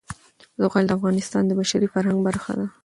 زغال د افغانستان د بشري فرهنګ برخه ده.